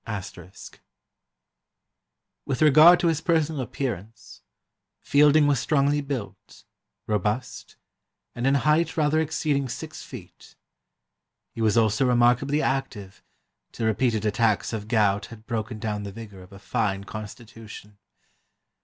*] "With regard to his personal appearance, Fielding was strongly built, robust, and in height rather exceeding six feet; he was also remarkably active, till repeated attacks of gout had broken down the vigour of a fine constitution.